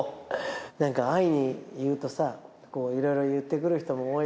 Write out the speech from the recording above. なんか安易に言うとさいろいろ言ってくる人も多い。